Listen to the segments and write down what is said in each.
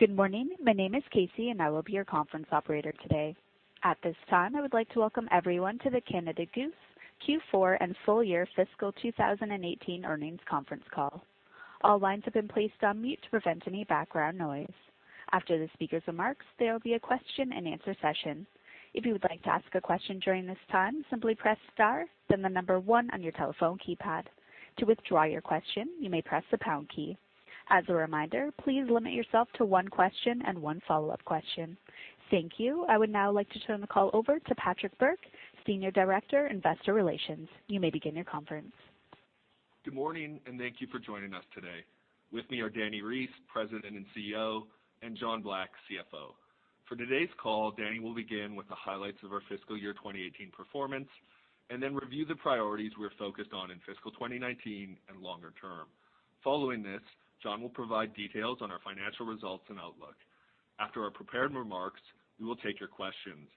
Good morning. My name is Casey, and I will be your conference operator today. At this time, I would like to welcome everyone to the Canada Goose Q4 and full year fiscal 2018 earnings conference call. All lines have been placed on mute to prevent any background noise. After the speaker's remarks, there will be a question-and-answer session. If you would like to ask a question during this time, simply press star, then the number one on your telephone keypad. To withdraw your question, you may press the pound key. As a reminder, please limit yourself to one question and one follow-up question. Thank you. I would now like to turn the call over to Patrick Bourke, Senior Director, Investor Relations. You may begin your conference. Good morning, and thank you for joining us today. With me are Dani Reiss, President and CEO, and John Black, CFO. For today's call, Dani will begin with the highlights of our fiscal year 2018 performance and then review the priorities we're focused on in fiscal 2019 and longer term. Following this, John will provide details on our financial results and outlook. After our prepared remarks, we will take your questions.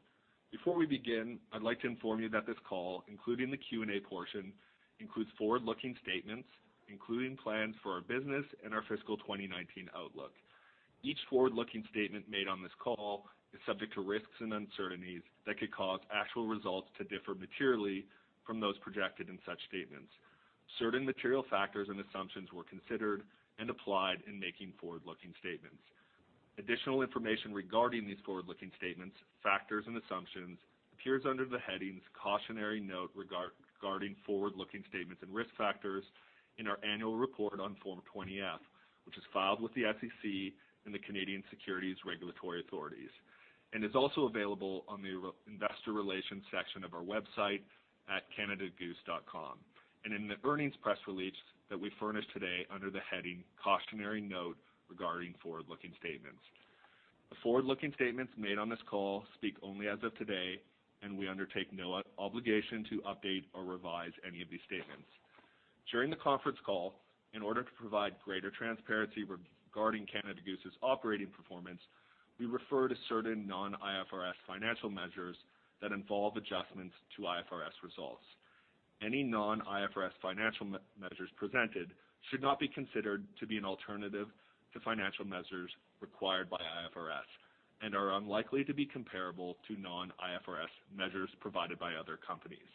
Before we begin, I'd like to inform you that this call, including the Q&A portion, includes forward-looking statements, including plans for our business and our fiscal 2019 outlook. Each forward-looking statement made on this call is subject to risks and uncertainties that could cause actual results to differ materially from those projected in such statements. Certain material factors and assumptions were considered and applied in making forward-looking statements. Additional information regarding these forward-looking statements, factors, and assumptions appears under the headings "Cautionary Note Regarding Forward-Looking Statements and Risk Factors" in our annual report on Form 20-F, which is filed with the SEC and the Canadian Securities Regulatory Authorities. It is also available on the investor relations section of our website at canadagoose.com and in the earnings press release that we furnished today under the heading "Cautionary Note Regarding Forward-Looking Statements." The forward-looking statements made on this call speak only as of today, and we undertake no obligation to update or revise any of these statements. During the conference call, in order to provide greater transparency regarding Canada Goose's operating performance, we refer to certain non-IFRS financial measures that involve adjustments to IFRS results. Any non-IFRS financial measures presented should not be considered to be an alternative to financial measures required by IFRS and are unlikely to be comparable to non-IFRS measures provided by other companies.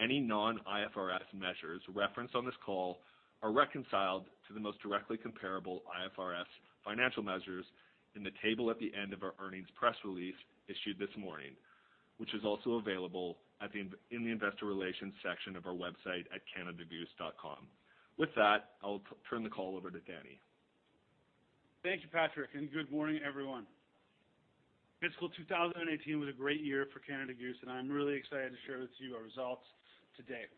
Any non-IFRS measures referenced on this call are reconciled to the most directly comparable IFRS financial measures in the table at the end of our earnings press release issued this morning, which is also available in the investor relations section of our website at canadagoose.com. With that, I'll turn the call over to Dani. Thank you, Patrick, and good morning, everyone. Fiscal 2018 was a great year for Canada Goose. I'm really excited to share with you our results today.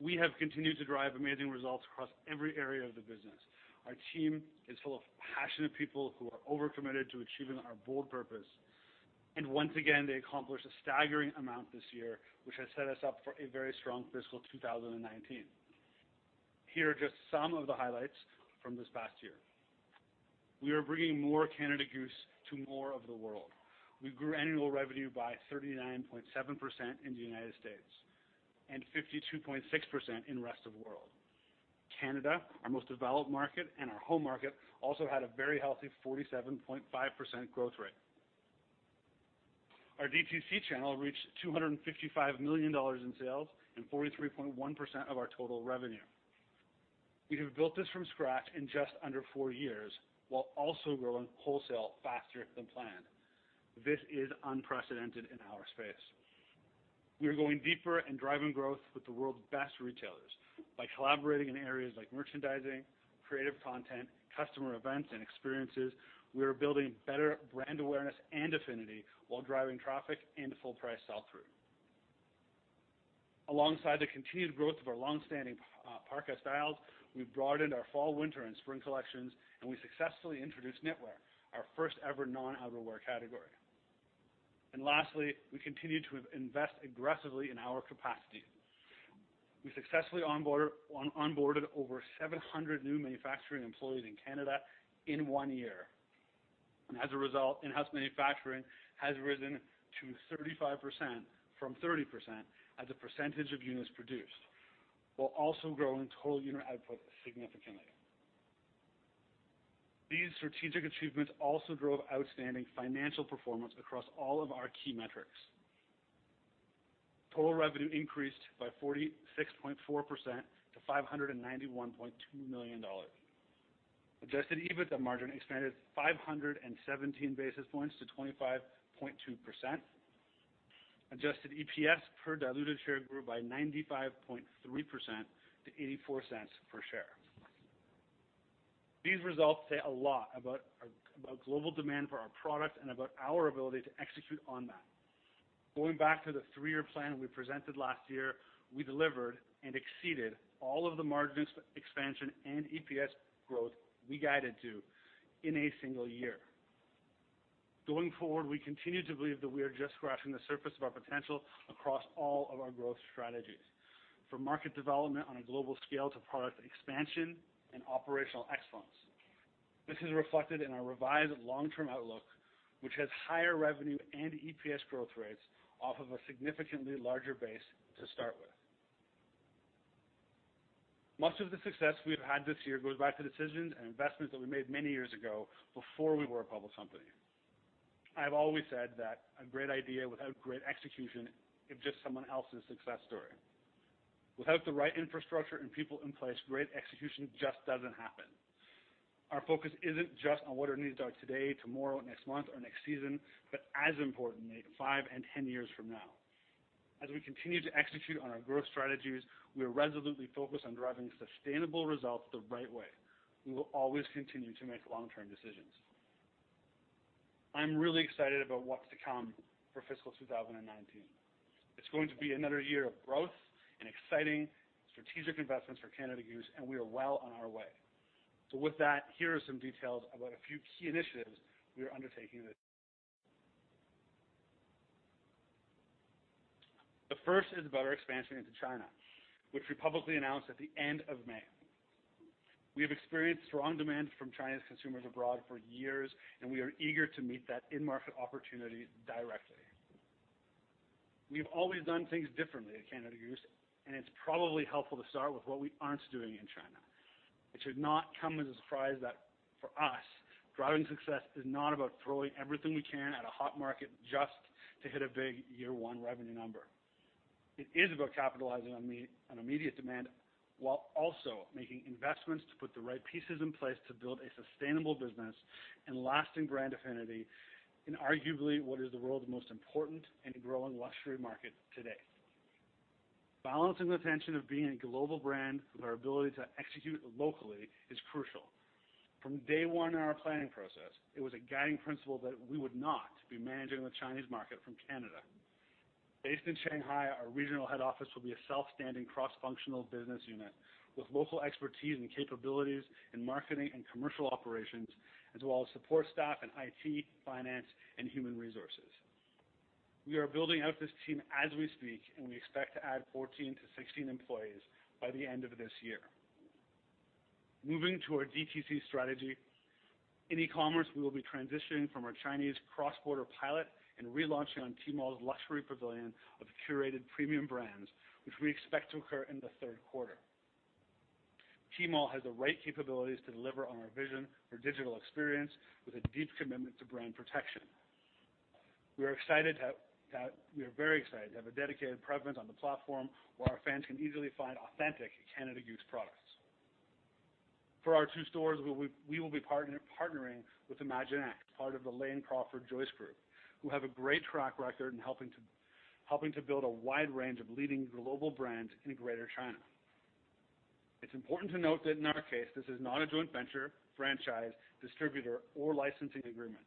We have continued to drive amazing results across every area of the business. Our team is full of passionate people who are over-committed to achieving our bold purpose. Once again, they accomplished a staggering amount this year, which has set us up for a very strong fiscal 2019. Here are just some of the highlights from this past year. We are bringing more Canada Goose to more of the world. We grew annual revenue by 39.7% in the U.S. and 52.6% in rest of world. Canada, our most developed market and our home market, also had a very healthy 47.5% growth rate. Our D2C channel reached 255 million dollars in sales and 43.1% of our total revenue. We have built this from scratch in just under four years while also growing wholesale faster than planned. This is unprecedented in our space. We are going deeper, driving growth with the world's best retailers by collaborating in areas like merchandising, creative content, customer events, and experiences. We are building better brand awareness and affinity while driving traffic and full price sell-through. Alongside the continued growth of our longstanding parka styles, we've broadened our fall, winter, and spring collections. We successfully introduced Knitwear, our first ever non-outerwear category. Lastly, we continue to invest aggressively in our capacity. We successfully onboarded over 700 new manufacturing employees in Canada in one year. As a result, in-house manufacturing has risen to 35% from 30% as a percentage of units produced, while also growing total unit output significantly. These strategic achievements also drove outstanding financial performance across all of our key metrics. Total revenue increased by 46.4% to 591.2 million dollars. Adjusted EBITDA margin expanded 517 basis points to 25.2%. Adjusted EPS per diluted share grew by 95.3% to 0.84 per share. These results say a lot about global demand for our product, about our ability to execute on that. Going back to the three-year plan we presented last year, we delivered and exceeded all of the margins expansion and EPS growth we guided to in a single year. Going forward, we continue to believe that we are just scratching the surface of our potential across all of our growth strategies. From market development on a global scale to product expansion and operational excellence. This is reflected in our revised long-term outlook, which has higher revenue and EPS growth rates off of a significantly larger base to start with. Most of the success we've had this year goes back to decisions and investments that we made many years ago before we were a public company. I've always said that a great idea without great execution is just someone else's success story. Without the right infrastructure and people in place, great execution just doesn't happen. Our focus isn't just on what our needs are today, tomorrow, next month, or next season, but as importantly, five and 10 years from now. As we continue to execute on our growth strategies, we are resolutely focused on driving sustainable results the right way. We will always continue to make long-term decisions. I'm really excited about what's to come for fiscal 2019. It's going to be another year of growth and exciting strategic investments for Canada Goose, and we are well on our way. With that, here are some details about a few key initiatives we are undertaking. The first is about our expansion into China, which we publicly announced at the end of May. We have experienced strong demand from China's consumers abroad for years, and we are eager to meet that in-market opportunity directly. We've always done things differently at Canada Goose, and it's probably helpful to start with what we aren't doing in China. It should not come as a surprise that for us, driving success is not about throwing everything we can at a hot market just to hit a big year one revenue number. It is about capitalizing on immediate demand while also making investments to put the right pieces in place to build a sustainable business and lasting brand affinity in arguably what is the world's most important and growing luxury market today. Balancing the tension of being a global brand with our ability to execute locally is crucial. From day one in our planning process, it was a guiding principle that we would not be managing the Chinese market from Canada. Based in Shanghai, our regional head office will be a self-standing cross-functional business unit with local expertise and capabilities in marketing and commercial operations, as well as support staff in IT, finance, and human resources. We are building out this team as we speak, and we expect to add 14 to 16 employees by the end of this year. Moving to our DTC strategy. In e-commerce, we will be transitioning from our Chinese cross-border pilot and relaunching on Tmall's luxury pavilion of curated premium brands, which we expect to occur in the third quarter. Tmall has the right capabilities to deliver on our vision for digital experience with a deep commitment to brand protection. We are very excited to have a dedicated presence on the platform where our fans can easily find authentic Canada Goose products. For our two stores, we will be partnering with ImagineX, part of The Lane Crawford Joyce Group, who have a great track record in helping to build a wide range of leading global brands in Greater China. It's important to note that in our case, this is not a joint venture, franchise, distributor, or licensing agreement.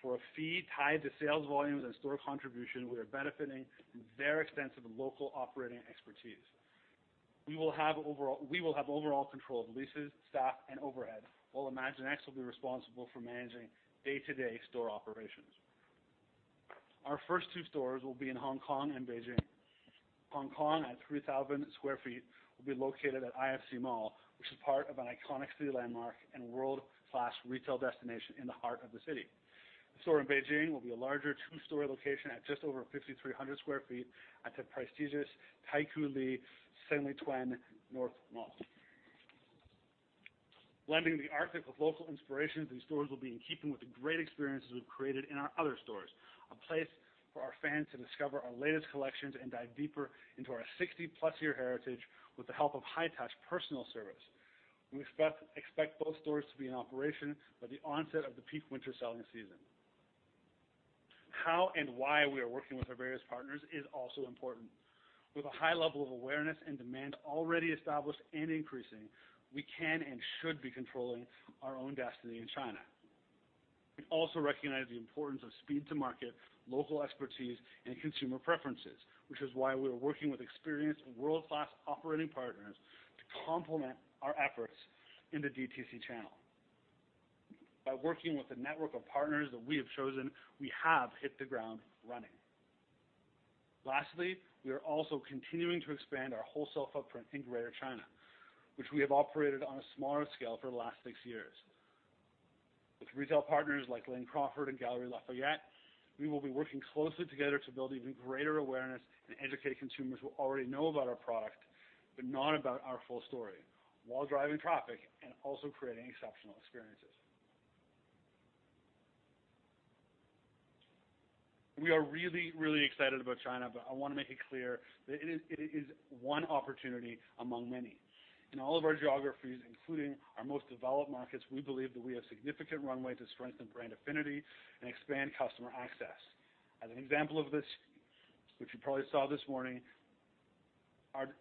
For a fee tied to sales volumes and store contribution, we are benefiting from their extensive local operating expertise. We will have overall control of leases, staff, and overhead, while ImagineX will be responsible for managing day-to-day store operations. Our first two stores will be in Hong Kong and Beijing. Hong Kong, at 3,000 sq ft, will be located at IFC Mall, which is part of an iconic city landmark and world-class retail destination in the heart of the city. The store in Beijing will be a larger two-story location at just over 5,300 sq ft at the prestigious Taikoo Li Sanlitun North Mall. Blending the Arctic with local inspiration, these stores will be in keeping with the great experiences we've created in our other stores, a place for our fans to discover our latest collections and dive deeper into our 60-plus year heritage with the help of high-touch personal service. We expect both stores to be in operation by the onset of the peak winter selling season. How and why we are working with our various partners is also important. With a high level of awareness and demand already established and increasing, we can and should be controlling our own destiny in China. We also recognize the importance of speed to market, local expertise, and consumer preferences, which is why we are working with experienced world-class operating partners to complement our efforts in the DTC channel. By working with the network of partners that we have chosen, we have hit the ground running. Lastly, we are also continuing to expand our wholesale footprint in Greater China, which we have operated on a smaller scale for the last six years. With retail partners like Lane Crawford and Galeries Lafayette, we will be working closely together to build even greater awareness and educate consumers who already know about our product but not about our full story while driving traffic and also creating exceptional experiences. We are really excited about China, but I want to make it clear that it is one opportunity among many. In all of our geographies, including our most developed markets, we believe that we have significant runway to strengthen brand affinity and expand customer access. As an example of this, which you probably saw this morning,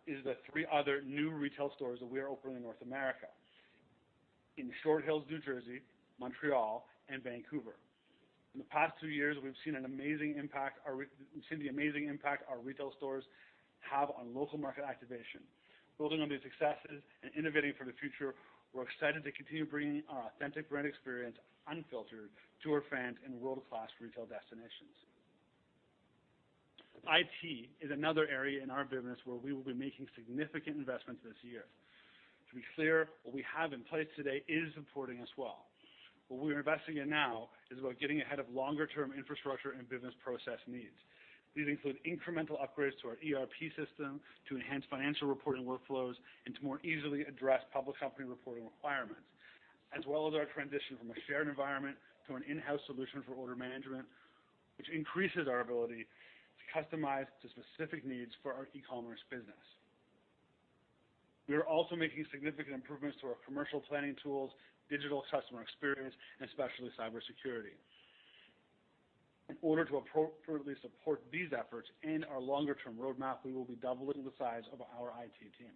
is the three other new retail stores that we are opening in North America. In Short Hills, New Jersey, Montreal, and Vancouver. In the past two years, we've seen the amazing impact our retail stores have on local market activation. Building on these successes and innovating for the future, we're excited to continue bringing our authentic brand experience unfiltered to our fans in world-class retail destinations. IT is another area in our business where we will be making significant investments this year. To be clear, what we have in place today is supporting us well. What we're investing in now is about getting ahead of longer-term infrastructure and business process needs. These include incremental upgrades to our ERP system to enhance financial reporting workflows and to more easily address public company reporting requirements, as well as our transition from a shared environment to an in-house solution for order management, which increases our ability to customize to specific needs for our e-commerce business. We are also making significant improvements to our commercial planning tools, digital customer experience, and especially cybersecurity. In order to appropriately support these efforts and our longer-term roadmap, we will be doubling the size of our IT team.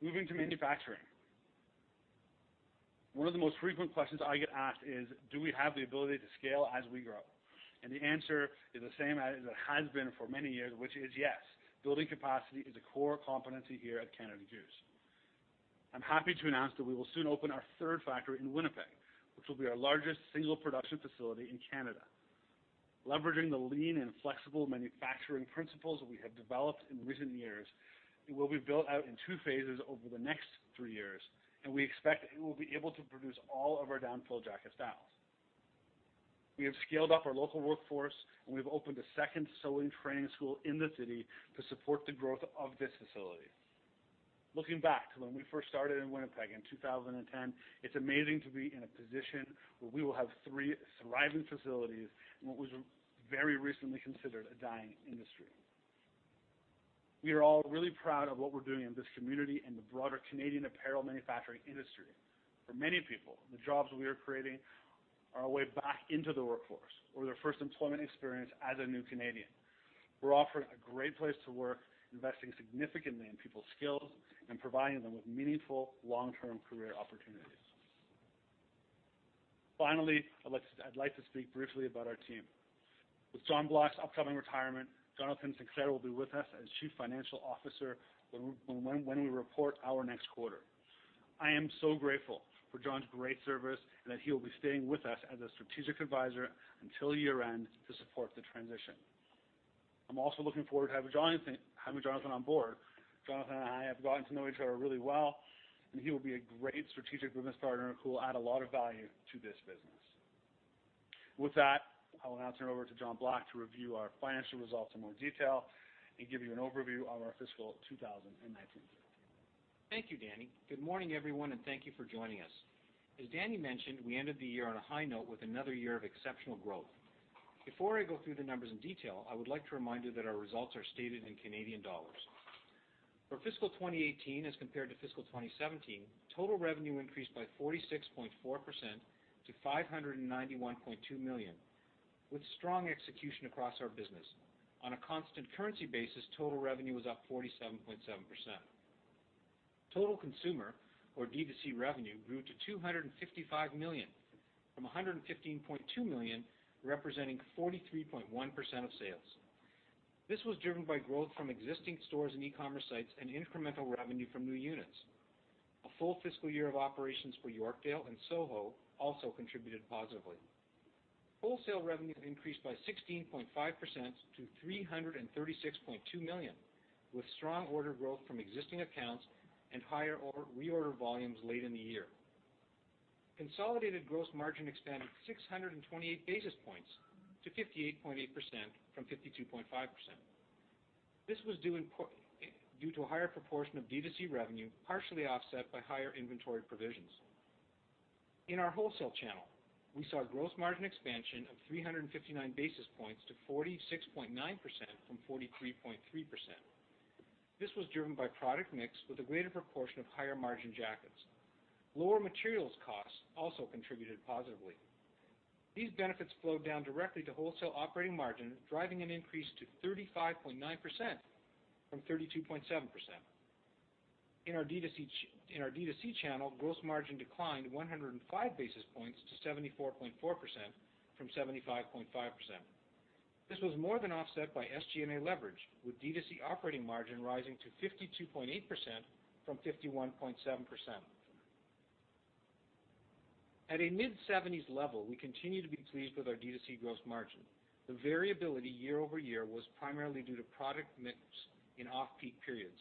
Moving to manufacturing. One of the most frequent questions I get asked is, do we have the ability to scale as we grow? The answer is the same as it has been for many years, which is yes. Building capacity is a core competency here at Canada Goose. I'm happy to announce that we will soon open our third factory in Winnipeg, which will be our largest single production facility in Canada. Leveraging the lean and flexible manufacturing principles we have developed in recent years, it will be built out in two phases over the next three years, and we expect it will be able to produce all of our down-filled jacket styles. We have scaled up our local workforce. We've opened a second sewing training school in the city to support the growth of this facility. Looking back to when we first started in Winnipeg in 2010, it's amazing to be in a position where we will have three thriving facilities in what was very recently considered a dying industry. We are all really proud of what we're doing in this community and the broader Canadian apparel manufacturing industry. For many people, the jobs we are creating are a way back into the workforce or their first employment experience as a new Canadian. We're offering a great place to work, investing significantly in people's skills and providing them with meaningful long-term career opportunities. Finally, I'd like to speak briefly about our team. With John Black's upcoming retirement, Jonathan Sinclair will be with us as Chief Financial Officer when we report our next quarter. I am so grateful for John's great service and that he will be staying with us as a strategic advisor until year-end to support the transition. I'm also looking forward to having Jonathan on board. Jonathan and I have gotten to know each other really well. He will be a great strategic business partner who will add a lot of value to this business. With that, I will now turn it over to John Black to review our financial results in more detail and give you an overview of our fiscal 2019 year. Thank you, Dani. Good morning, everyone. Thank you for joining us. As Dani mentioned, we ended the year on a high note with another year of exceptional growth. Before I go through the numbers in detail, I would like to remind you that our results are stated in CAD. For fiscal 2018 as compared to fiscal 2017, total revenue increased by 46.4% to 591.2 million, with strong execution across our business. On a constant currency basis, total revenue was up 47.7%. Total consumer or D2C revenue grew to 255 million from 115.2 million, representing 43.1% of sales. This was driven by growth from existing stores and e-commerce sites and incremental revenue from new units. A full fiscal year of operations for Yorkdale and Soho also contributed positively. Wholesale revenue increased by 16.5% to 336.2 million, with strong order growth from existing accounts and higher reorder volumes late in the year. Consolidated gross margin expanded 628 basis points to 58.8% from 52.5%. This was due to a higher proportion of D2C revenue, partially offset by higher inventory provisions. In our wholesale channel, we saw gross margin expansion of 359 basis points to 46.9% from 43.3%. This was driven by product mix with a greater proportion of higher-margin jackets. Lower materials costs also contributed positively. These benefits flowed down directly to wholesale operating margin, driving an increase to 35.9% from 32.7%. In our D2C channel, gross margin declined 105 basis points to 74.4% from 75.5%. This was more than offset by SG&A leverage, with D2C operating margin rising to 52.8% from 51.7%. At a mid-70s level, we continue to be pleased with our D2C gross margin. The variability year-over-year was primarily due to product mix in off-peak periods.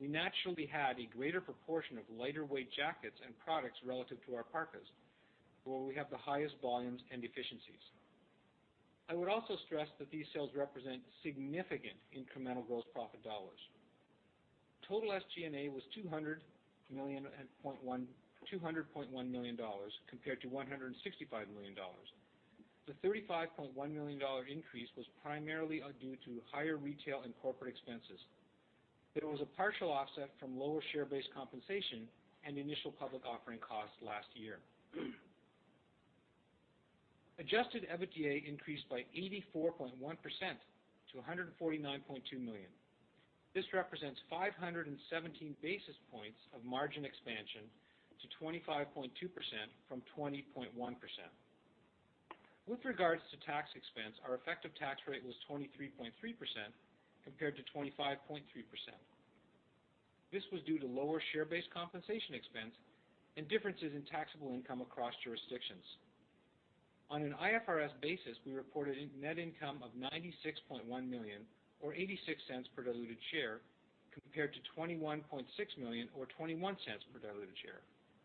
We naturally had a greater proportion of lighter-weight jackets and products relative to our parkas, where we have the highest volumes and efficiencies. I would also stress that these sales represent significant incremental gross profit dollars. Total SG&A was 200.1 million dollars compared to 165 million dollars. The 35.1 million dollar increase was primarily due to higher retail and corporate expenses. There was a partial offset from lower share-based compensation and initial public offering costs last year. Adjusted EBITDA increased by 84.1% to 149.2 million. This represents 517 basis points of margin expansion to 25.2% from 20.1%. With regards to tax expense, our effective tax rate was 23.3% compared to 25.3%. This was due to lower share-based compensation expense and differences in taxable income across jurisdictions. On an IFRS basis, we reported net income of 96.1 million or 0.86 per diluted share, compared to 21.6 million or 0.21 per diluted share.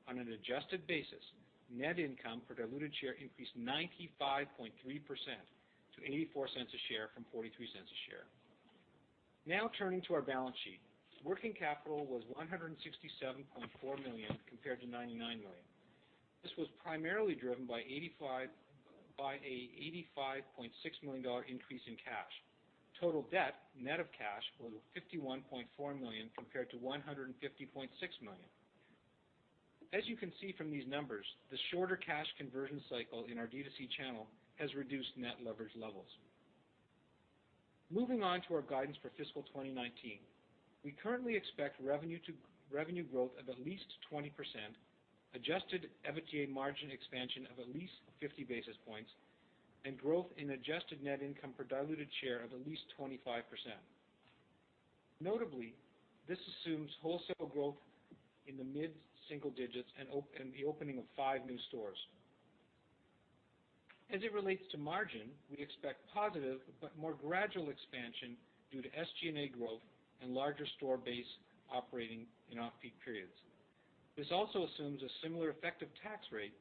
On an adjusted basis, net income per diluted share increased 95.3% to 0.84 a share from 0.43 a share. Turning to our balance sheet. Working capital was 167.4 million compared to 99 million. This was primarily driven by a 85.6 million dollar increase in cash. Total debt net of cash was 51.4 million compared to 150.6 million. As you can see from these numbers, the shorter cash conversion cycle in our D2C channel has reduced net leverage levels. Moving on to our guidance for fiscal 2019. We currently expect revenue growth of at least 20%, Adjusted EBITDA margin expansion of at least 50 basis points, and growth in adjusted net income per diluted share of at least 25%. Notably, this assumes wholesale growth in the mid-single digits and the opening of five new stores. As it relates to margin, we expect positive but more gradual expansion due to SG&A growth and larger store base operating in off-peak periods. This also assumes a similar effective tax rate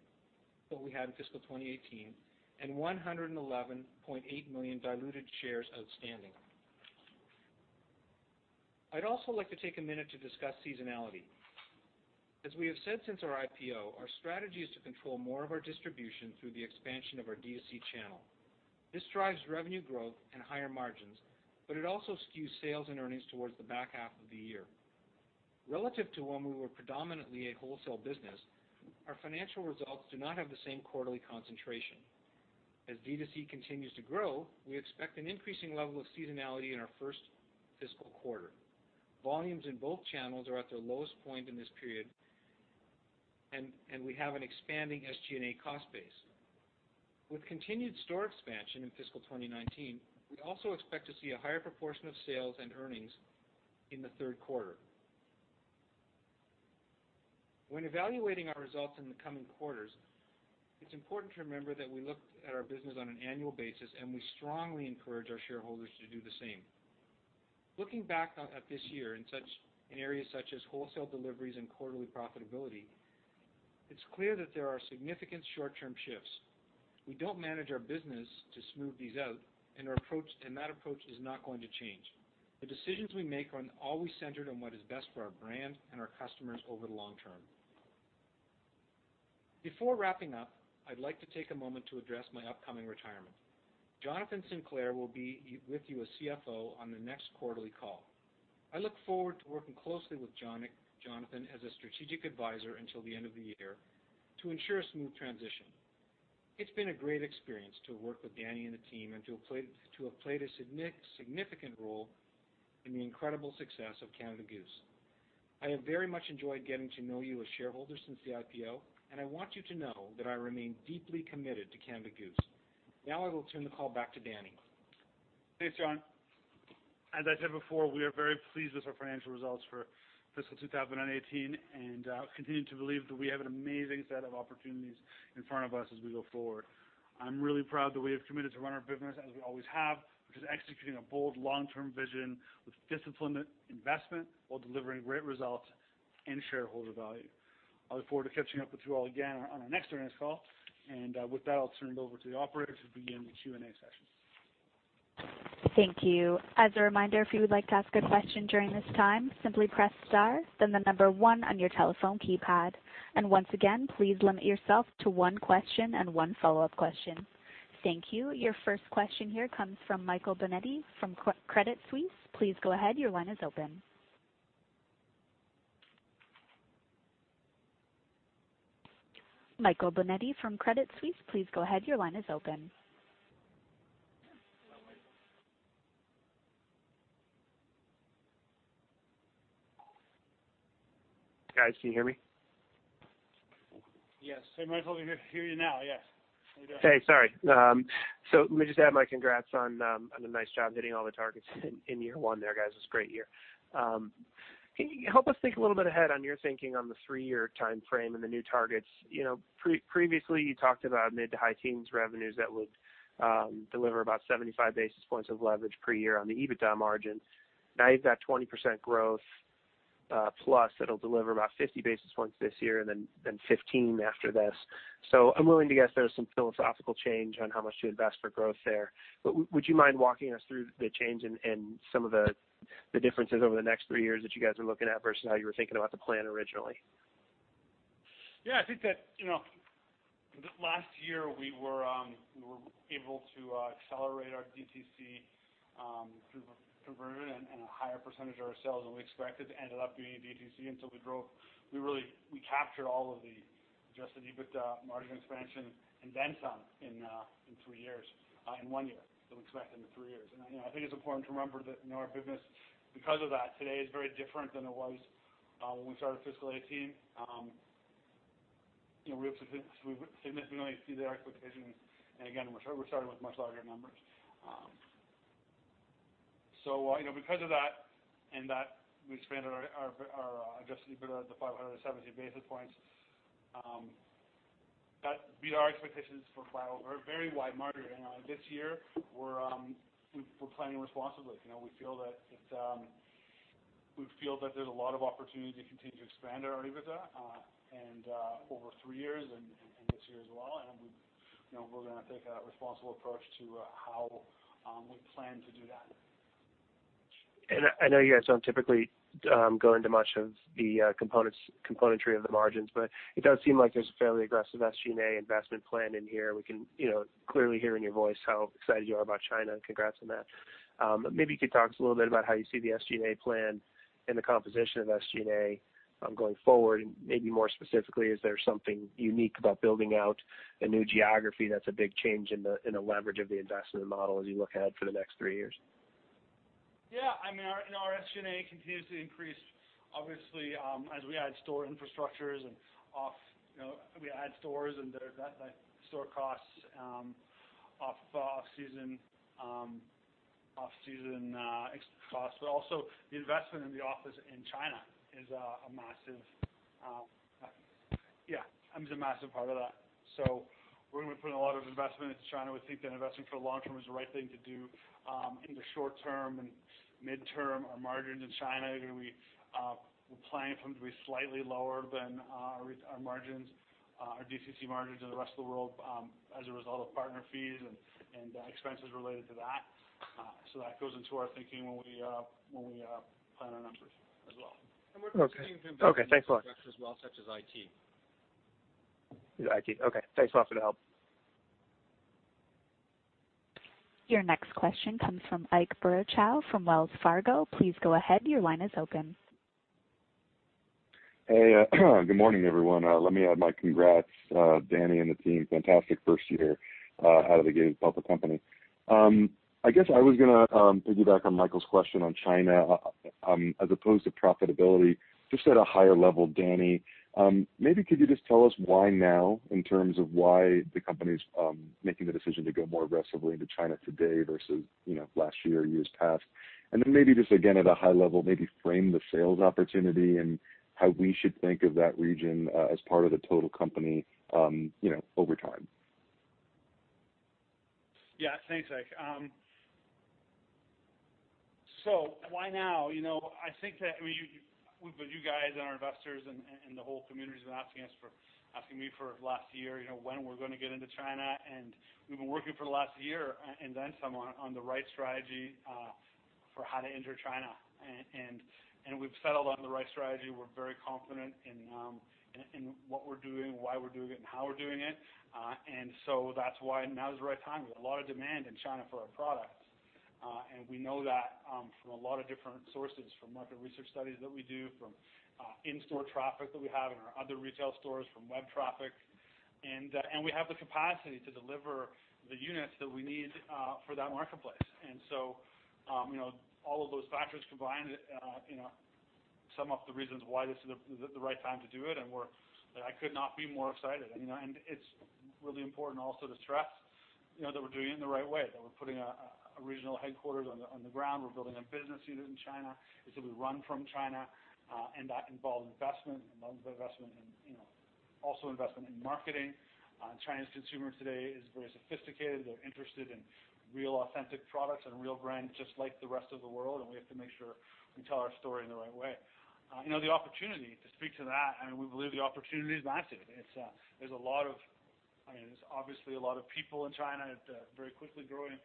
that we had in fiscal 2018 and 111.8 million diluted shares outstanding. I'd also like to take a minute to discuss seasonality. As we have said since our IPO, our strategy is to control more of our distribution through the expansion of our D2C channel. This drives revenue growth and higher margins, but it also skews sales and earnings towards the back half of the year. Relative to when we were predominantly a wholesale business, our financial results do not have the same quarterly concentration. As D2C continues to grow, we expect an increasing level of seasonality in our first fiscal quarter. Volumes in both channels are at their lowest point in this period, and we have an expanding SG&A cost base. With continued store expansion in fiscal 2019, we also expect to see a higher proportion of sales and earnings in the third quarter. When evaluating our results in the coming quarters, it's important to remember that we look at our business on an annual basis, and we strongly encourage our shareholders to do the same. Looking back at this year in areas such as wholesale deliveries and quarterly profitability, it's clear that there are significant short-term shifts. We don't manage our business to smooth these out, and that approach is not going to change. The decisions we make are always centered on what is best for our brand and our customers over the long term. Before wrapping up, I'd like to take a moment to address my upcoming retirement. Jonathan Sinclair will be with you as CFO on the next quarterly call. I look forward to working closely with Jonathan as a strategic advisor until the end of the year to ensure a smooth transition. It's been a great experience to work with Dani and the team and to have played a significant role in the incredible success of Canada Goose. I have very much enjoyed getting to know you as shareholders since the IPO, and I want you to know that I remain deeply committed to Canada Goose. I will turn the call back to Dani. Thanks, John. As I said before, we are very pleased with our financial results for fiscal 2018 and continue to believe that we have an amazing set of opportunities in front of us as we go forward. I'm really proud that we have committed to run our business as we always have, which is executing a bold long-term vision with disciplined investment while delivering great results and shareholder value. I look forward to catching up with you all again on our next earnings call. With that, I'll turn it over to the operator to begin the Q&A session. Thank you. As a reminder, if you would like to ask a question during this time, simply press star, then the number 1 on your telephone keypad. Once again, please limit yourself to one question and one follow-up question. Thank you. Your first question here comes from Michael Binetti from Credit Suisse. Please go ahead. Your line is open. Michael Binetti from Credit Suisse, please go ahead. Your line is open. Guys, can you hear me? Yes. Hey, Michael, we hear you now. Yes. How you doing? Hey, sorry. Let me just add my congrats on the nice job hitting all the targets in year one there, guys. It was a great year. Can you help us think a little bit ahead on your thinking on the three-year timeframe and the new targets? Previously, you talked about mid to high teens revenues that would deliver about 75 basis points of leverage per year on the EBITDA margin. Now you've got 20% growth plus that'll deliver about 50 basis points this year and then 15 after this. I'm willing to guess there's some philosophical change on how much to invest for growth there. Would you mind walking us through the change and some of the differences over the next three years that you guys are looking at versus how you were thinking about the plan originally? Yeah, I think that last year we were able to accelerate our D2C conversion and a higher percentage of our sales than we expected ended up being D2C. We captured all of the Adjusted EBITDA margin expansion and then some in one year that we expect in the three years. I think it's important to remember that our business, because of that, today is very different than it was when we started fiscal 2018. We've significantly exceeded our expectations, and again, we're starting with much larger numbers. Because of that, and that we expanded our Adjusted EBITDA to 517 basis points, that beat our expectations for very wide margin. This year, we're planning responsibly. We feel that there's a lot of opportunity to continue to expand our EBITDA, and over three years and this year as well, and we're going to take a responsible approach to how we plan to do that. I know you guys don't typically go into much of the componentry of the margins, but it does seem like there's a fairly aggressive SG&A investment plan in here. We can clearly hear in your voice how excited you are about China. Congrats on that. You could talk to us a little bit about how you see the SG&A plan and the composition of SG&A going forward. More specifically, is there something unique about building out a new geography that's a big change in the leverage of the investment model as you look ahead for the next three years? Our SG&A continues to increase, obviously, as we add store infrastructures and we add stores and there's store costs, off-season costs. Also, the investment in the office in China is a massive part of that. We're going to be putting a lot of investment into China. We think that investing for the long term is the right thing to do. In the short term and midterm, our margins in China are going to be. We're planning for them to be slightly lower than our DTC margins in the rest of the world as a result of partner fees and expenses related to that. That goes into our thinking when we plan our numbers as well. Thanks a lot. We're continuing to invest in infrastructure as well, such as IT. IT. Okay. Thanks a lot for the help. Your next question comes from Ike Boruchow from Wells Fargo. Please go ahead, your line is open. Hey, good morning, everyone. Let me add my congrats, Dani and the team. Fantastic first year out of the gate as a public company. I guess I was going to piggyback on Michael's question on China, as opposed to profitability, just at a higher level, Dani, maybe could you just tell us why now, in terms of why the company's making the decision to go more aggressively into China today versus last year or years past? Maybe just again at a high level, maybe frame the sales opportunity and how we should think of that region as part of the total company over time. Yeah. Thanks, Ike. Why now? I think that, with you guys and our investors and the whole community's been asking me for the last year, when we're going to get into China, We've been working for the last year and then some on the right strategy for how to enter China. We've settled on the right strategy. We're very confident in what we're doing, why we're doing it, and how we're doing it. That's why now is the right time. We have a lot of demand in China for our products. We know that from a lot of different sources, from market research studies that we do, from in-store traffic that we have in our other retail stores, from web traffic. We have the capacity to deliver the units that we need for that marketplace. All of those factors combined sum up the reasons why this is the right time to do it, and I could not be more excited. It's really important also to stress that we're doing it in the right way, that we're putting a regional headquarters on the ground. We're building a business unit in China. It's going to be run from China, and that involves investment. It involves investment in marketing. China's consumer today is very sophisticated. They're interested in real, authentic products and real brands, just like the rest of the world, and we have to make sure we tell our story in the right way. The opportunity, to speak to that, we believe the opportunity is massive. There's obviously a lot of people in China. It's a very quickly growing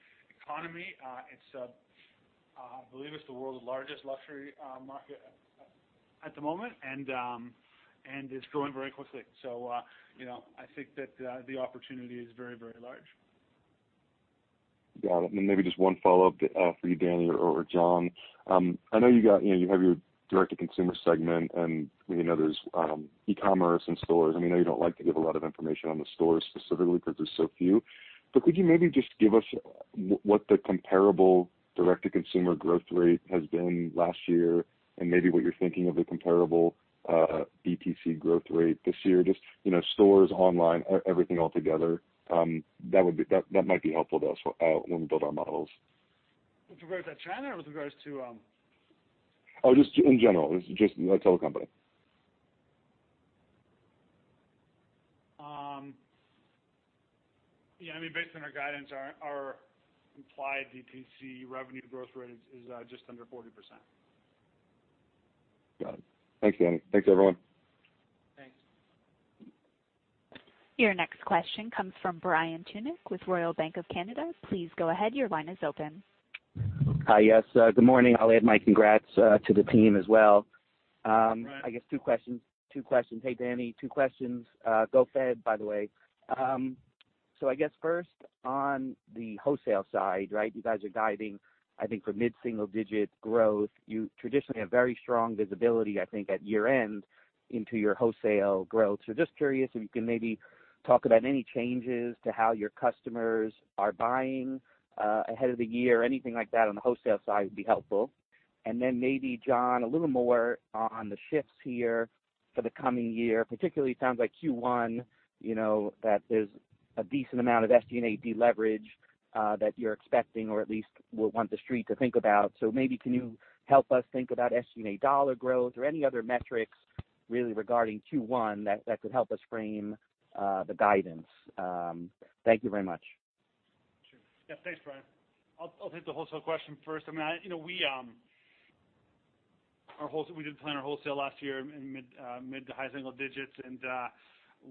economy. I believe it's the world's largest luxury market at the moment, and it's growing very quickly. I think that the opportunity is very large. Got it. Maybe just one follow-up for you, Dani or John. I know you have your direct-to-consumer segment and there's e-commerce and stores. I know you don't like to give a lot of information on the stores specifically because there's so few. Could you maybe just give us what the comparable direct-to-consumer growth rate has been last year and maybe what you're thinking of the comparable DTC growth rate this year? Just stores, online, everything altogether. That might be helpful to us when we build our models. With regards to China or with regards to Oh, just in general, just the total company. Based on our guidance, our implied DTC revenue growth rate is just under 40%. Got it. Thanks, Dani. Thanks, everyone. Thanks. Your next question comes from Brian Tunick with Royal Bank of Canada. Please go ahead, your line is open. Hi, yes. Good morning. I will add my congrats to the team as well. Brian. I guess two questions. Hey, Dani. Two questions. Go Fed, by the way. I guess first, on the wholesale side, you guys are guiding, I think for mid-single-digit growth. You traditionally have very strong visibility, I think, at year-end into your wholesale growth. Just curious if you can maybe talk about any changes to how your customers are buying ahead of the year. Anything like that on the wholesale side would be helpful. Then maybe, John, a little more on the shifts here for the coming year. Particularly, it sounds like Q1, that there is a decent amount of SG&A deleverage that you are expecting or at least will want The Street to think about. Maybe can you help us think about SG&A CAD growth or any other metrics really regarding Q1 that could help us frame the guidance? Thank you very much. Sure. Yeah. Thanks, Brian. I will take the wholesale question first. We did plan our wholesale last year in mid-to-high single digits, and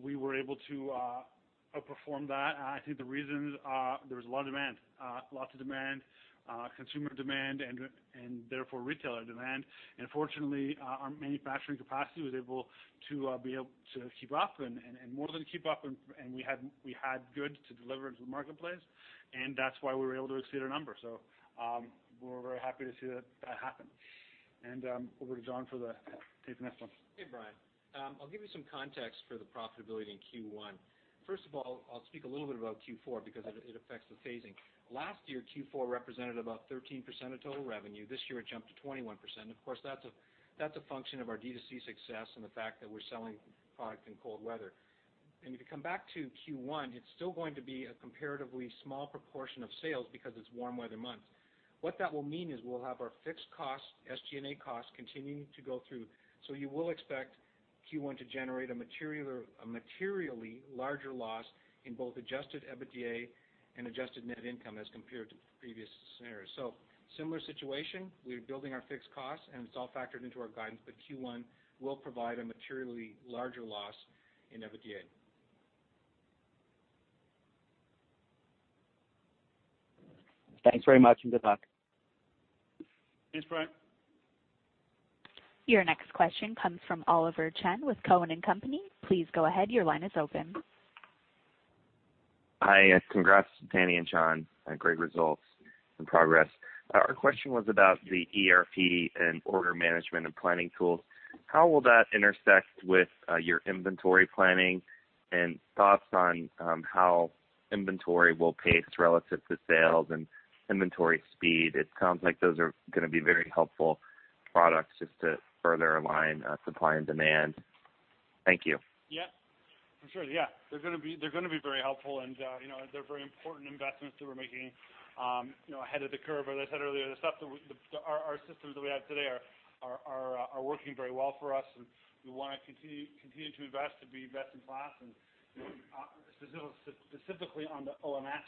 we were able to outperform that. I think the reason, there was a lot of demand. Lots of demand, consumer demand, and therefore retailer demand. Fortunately, our manufacturing capacity was able to keep up and more than keep up, and we had goods to deliver into the marketplace, and that is why we were able to exceed our numbers. We are very happy to see that happen. Over to John for the next one. Hey, Brian. I will give you some context for the profitability in Q1. First of all, I will speak a little bit about Q4 because it affects the phasing. Last year, Q4 represented about 13% of total revenue. This year, it jumped to 21%. Of course, that is a function of our D2C success and the fact that we are selling product in cold weather. If you come back to Q1, it is still going to be a comparatively small proportion of sales because it is warm weather months. What that will mean is we will have our fixed costs, SG&A costs, continuing to go through. You will expect Q1 to generate a materially larger loss in both Adjusted EBITDA and adjusted net income as compared to previous scenarios. Similar situation, we are building our fixed costs, and it is all factored into our guidance, but Q1 will provide a materially larger loss in EBITDA. Thanks very much, and good luck. Thanks, Brian. Your next question comes from Oliver Chen with Cowen and Company. Please go ahead, your line is open. Hi, congrats, Dani and John, on great results and progress. Our question was about the ERP and order management and planning tools. How will that intersect with your inventory planning, and thoughts on how inventory will pace relative to sales and inventory speed? It sounds like those are going to be very helpful products just to further align supply and demand. Thank you. Yeah. For sure. Yeah. They're going to be very helpful and they're very important investments that we're making ahead of the curve. As I said earlier, our systems that we have today are working very well for us, and we want to continue to invest, to be best in class. Specifically on the OMS,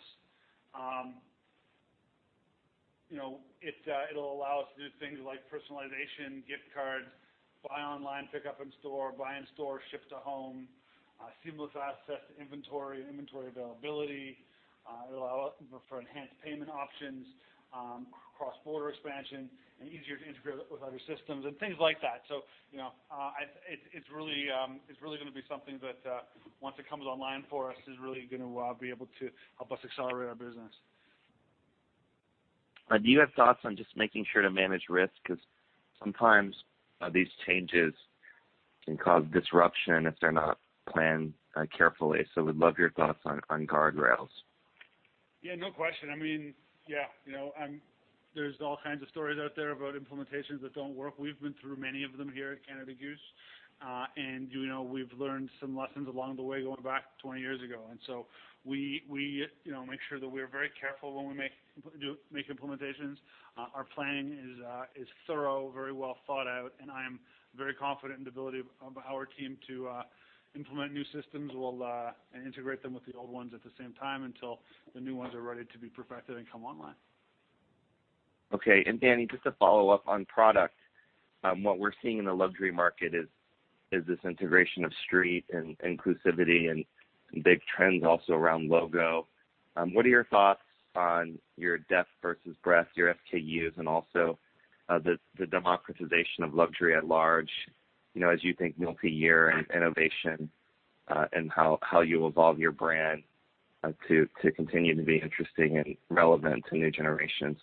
it'll allow us to do things like personalization, gift cards, buy online, pick up in store, buy in store, ship to home, seamless access to inventory and inventory availability. It'll allow for enhanced payment options, cross-border expansion, easier to integrate with other systems and things like that. It's really going to be something that once it comes online for us, is really going to be able to help us accelerate our business. Do you have thoughts on just making sure to manage risk? Because sometimes these changes can cause disruption if they're not planned carefully. Would love your thoughts on guardrails. Yeah, no question. There's all kinds of stories out there about implementations that don't work. We've been through many of them here at Canada Goose. We've learned some lessons along the way, going back 20 years ago. We make sure that we're very careful when we make implementations. Our planning is thorough, very well thought out, and I am very confident in the ability of our team to implement new systems and integrate them with the old ones at the same time until the new ones are ready to be perfected and come online. Okay. Dani, just to follow up on product. What we're seeing in the luxury market is this integration of street and inclusivity and some big trends also around logo. What are your thoughts on your depth versus breadth, your SKUs, and also the democratization of luxury at large, as you think multi-year and innovation, and how you evolve your brand to continue to be interesting and relevant to new generations?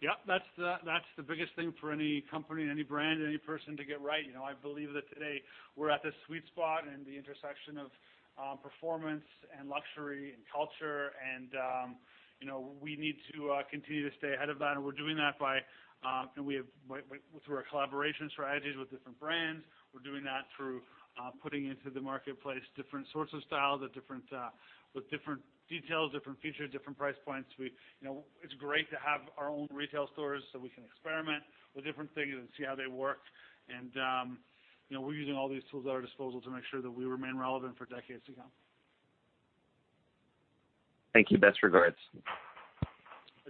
Yep. That's the biggest thing for any company, any brand, any person to get right. I believe that today we're at this sweet spot in the intersection of performance and luxury and culture, and we need to continue to stay ahead of that. We're doing that through our collaboration strategies with different brands. We're doing that through putting into the marketplace different sorts of styles with different details, different features, different price points. It's great to have our own retail stores so we can experiment with different things and see how they work. We're using all these tools at our disposal to make sure that we remain relevant for decades to come. Thank you. Best regards. No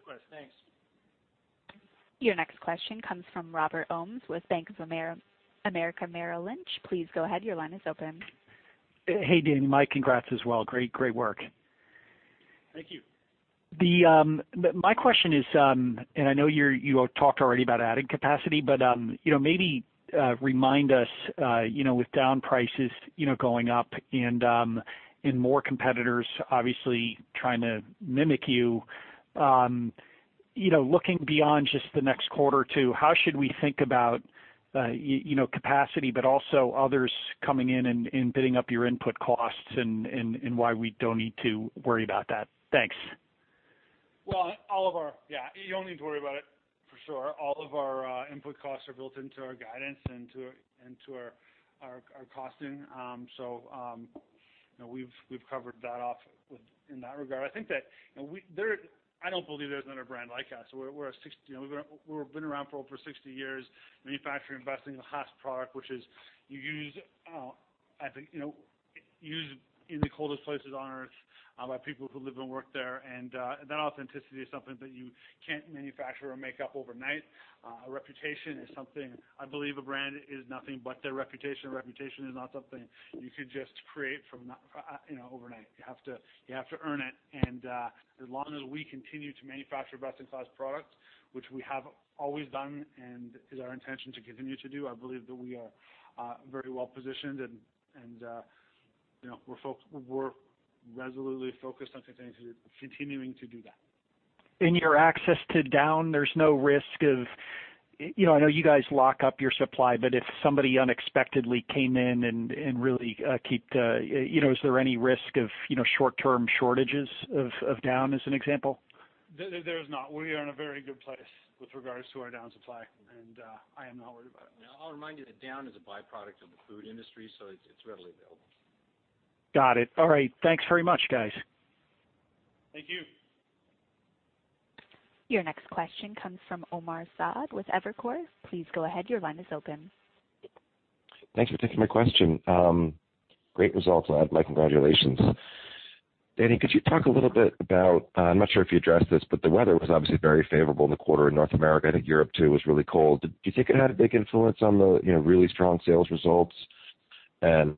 question. Thanks. Your next question comes from Robert Ohmes with Bank of America Merrill Lynch. Please go ahead, your line is open. Hey, Dani, John, congrats as well. Great work. Thank you. My question is, I know you talked already about adding capacity, maybe remind us, with down prices going up and more competitors obviously trying to mimic you, looking beyond just the next quarter or two, how should we think about capacity, also others coming in and bidding up your input costs and why we don't need to worry about that? Thanks. Well, you don't need to worry about it, for sure. All of our input costs are built into our guidance and to our costing. We've covered that off in that regard. I don't believe there's another brand like us. We've been around for over 60 years manufacturing the best-in-class product, which is used in the coldest places on Earth by people who live and work there, and that authenticity is something that you can't manufacture or make up overnight. A reputation is something. I believe a brand is nothing but their reputation. Reputation is not something you could just create overnight. You have to earn it. As long as we continue to manufacture best-in-class products, which we have always done and is our intention to continue to do, I believe that we are very well positioned, and we're resolutely focused on continuing to do that. In your access to down, there's no risk of I know you guys lock up your supply, but if somebody unexpectedly came in and really Is there any risk of short-term shortages of down, as an example? There is not. We are in a very good place with regards to our down supply, and I am not worried about it. I'll remind you that down is a byproduct of the food industry, so it's readily available. Got it. All right. Thanks very much, guys. Thank you. Your next question comes from Omar Saad with Evercore. Please go ahead, your line is open. Thanks for taking my question. Great results. My congratulations. Dani, could you talk a little bit about, I am not sure if you addressed this, but the weather was obviously very favorable in the quarter in North America. I think Europe too was really cold. Do you think it had a big influence on the really strong sales results and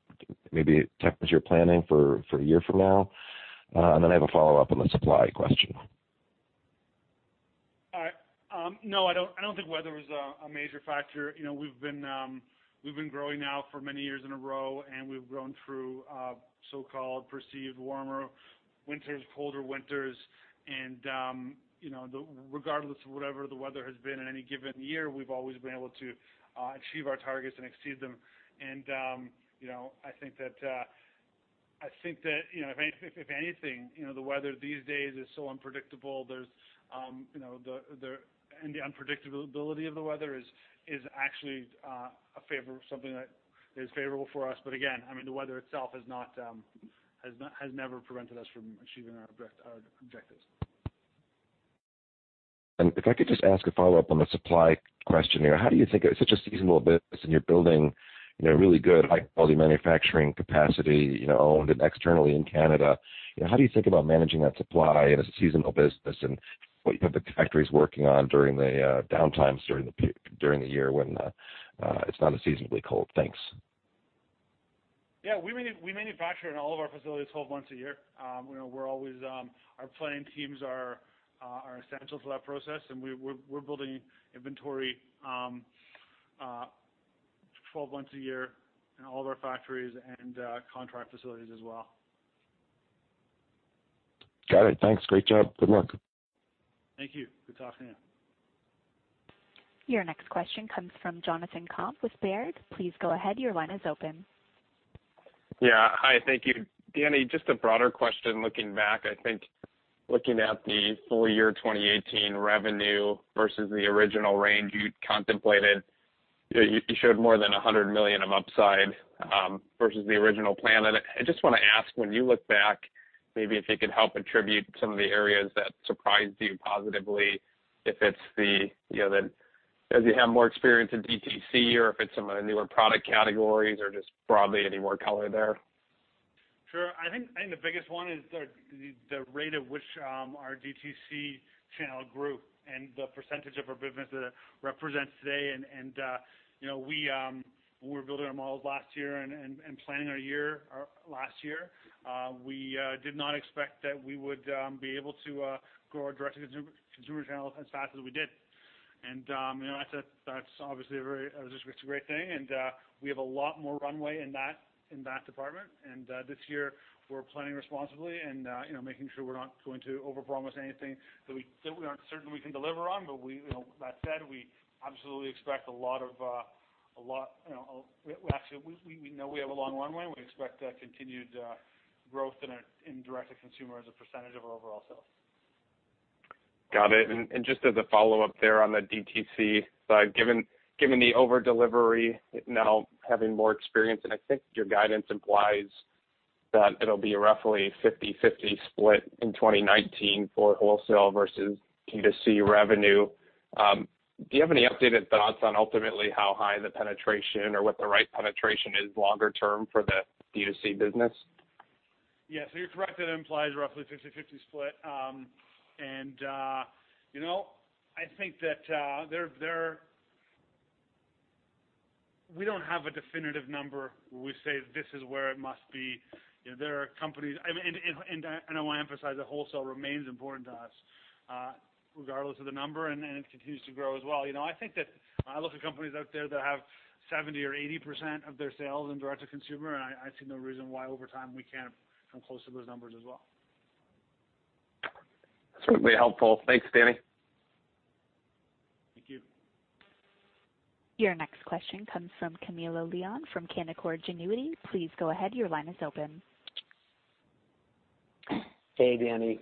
maybe temperature planning for a year from now? Then I have a follow-up on the supply question. No, I don't think weather was a major factor. We've been growing now for many years in a row, and we've grown through so-called perceived warmer winters, colder winters, and regardless of whatever the weather has been in any given year, we've always been able to achieve our targets and exceed them. I think that, if anything, the weather these days is so unpredictable. The unpredictability of the weather is actually something that is favorable for us. Again, the weather itself has never prevented us from achieving our objectives. If I could just ask a follow-up on the supply question there. How do you think it's such a seasonal business, and you're building really good high-quality manufacturing capacity, owned and externally in Canada. How do you think about managing that supply in a seasonal business and what you have the factories working on during the downtimes during the year when it's not as seasonably cold? Thanks. Yeah, we manufacture in all of our facilities 12 months a year. Our planning teams are essential to that process, and we're building inventory 12 months a year in all of our factories and contract facilities as well. Got it. Thanks. Great job. Good luck. Thank you. Good talking to you. Your next question comes from Jonathan Komp with Baird. Please go ahead. Your line is open. Yeah. Hi, thank you. Dani, just a broader question, looking back, I think looking at the full year 2018 revenue versus the original range you'd contemplated, you showed more than 100 million of upside versus the original plan. I just want to ask, when you look back, maybe if you could help attribute some of the areas that surprised you positively, if it's as you have more experience in DTC or if it's some of the newer product categories or just broadly any more color there? Sure. I think the biggest one is the rate at which our DTC channel grew and the % of our business that it represents today. When we were building our models last year and planning our year last year, we did not expect that we would be able to grow our direct to consumer channel as fast as we did. That's obviously a great thing, and we have a lot more runway in that department. This year, we're planning responsibly and making sure we're not going to overpromise anything that we aren't certain we can deliver on. That said, actually, we know we have a long runway, and we expect continued growth in direct to consumer as a % of our overall sales. Got it. Just as a follow-up there on the DTC side, given the over delivery now having more experience, and I think your guidance implies that it'll be a roughly 50/50 split in 2019 for wholesale versus DTC revenue. Do you have any updated thoughts on ultimately how high the penetration or what the right penetration is longer term for the DTC business? Yeah. You're correct, that implies roughly 50/50 split. I think that we don't have a definitive number where we say this is where it must be. There are companies. I want to emphasize that wholesale remains important to us, regardless of the number, and it continues to grow as well. I think that I look at companies out there that have 70% or 80% of their sales in Direct-to-Consumer, and I see no reason why over time we can't come close to those numbers as well. That's really helpful. Thanks, Dani. Thank you. Your next question comes from Camilo Lyon from Canaccord Genuity. Please go ahead, your line is open. Hey, Dani.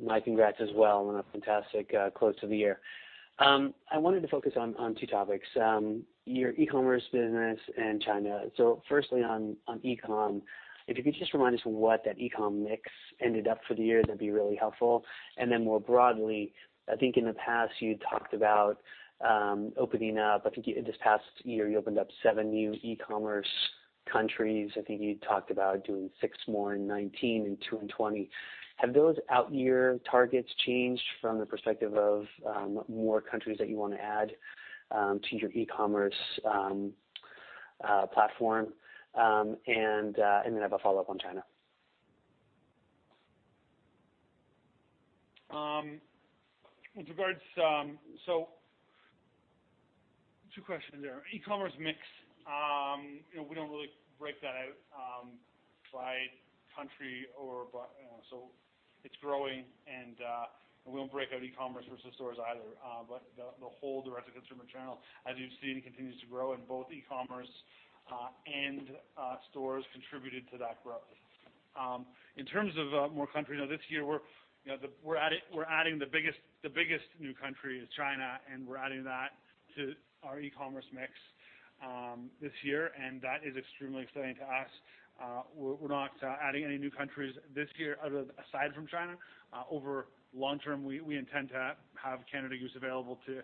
My congrats as well on a fantastic close to the year. I wanted to focus on two topics, your e-commerce business and China. Firstly on e-com, if you could just remind us what that e-com mix ended up for the year, that'd be really helpful. More broadly, I think in the past you talked about opening up. I think this past year, you opened up seven new e-commerce countries. I think you talked about doing six more in 2019 and two in 2020. Have those out year targets changed from the perspective of more countries that you want to add to your e-commerce platform? I have a follow-up on China. Two questions there. E-commerce mix, we don't really break that out by country. It's growing, and we don't break out e-commerce versus stores either. The whole direct-to-consumer channel, as you've seen, continues to grow and both e-commerce and stores contributed to that growth. In terms of more countries, this year we're adding the biggest new country is China, and we're adding that to our e-commerce mix this year, and that is extremely exciting to us. We're not adding any new countries this year aside from China. Over long term, we intend to have Canada Goose available to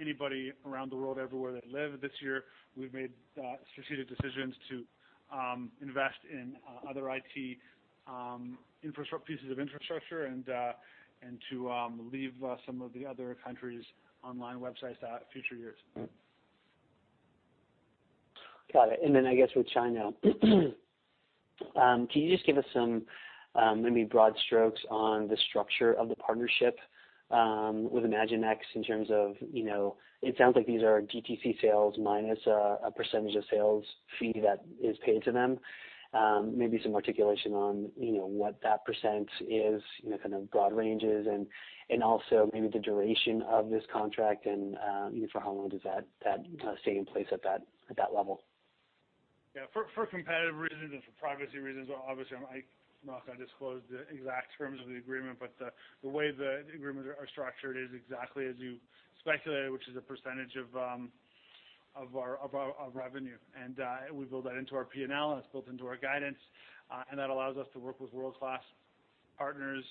anybody around the world, everywhere they live. This year, we've made strategic decisions to invest in other IT pieces of infrastructure and to leave some of the other countries' online websites to future years. Got it. I guess with China, can you just give us some maybe broad strokes on the structure of the partnership with ImagineX in terms of, it sounds like these are DTC sales minus a percentage of sales fee that is paid to them. Maybe some articulation on what that percent is, kind of broad ranges and also maybe the duration of this contract and for how long does that stay in place at that level? Yeah. For competitive reasons and for privacy reasons, obviously I'm not going to disclose the exact terms of the agreement. The way the agreements are structured is exactly as you speculated, which is a percentage of revenue. We build that into our P&L, and it's built into our guidance, and that allows us to work with world-class partners.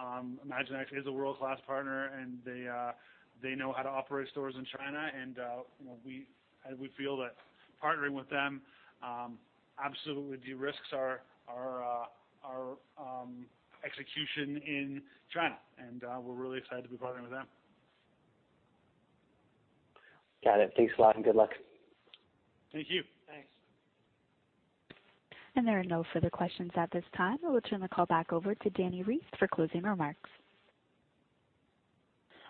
ImagineX is a world-class partner, and they know how to operate stores in China. We feel that partnering with them absolutely de-risks our execution in China. We're really excited to be partnering with them. Got it. Thanks a lot and good luck. Thank you. Thanks. There are no further questions at this time. I will turn the call back over to Dani Reiss for closing remarks.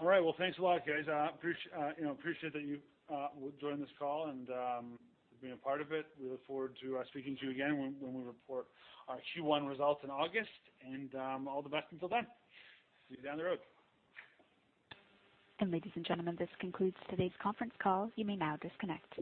All right. Well, thanks a lot, guys. Appreciate that you joined this call and for being a part of it. We look forward to speaking to you again when we report our Q1 results in August, and all the best until then. See you down the road. Ladies and gentlemen, this concludes today's conference call. You may now disconnect.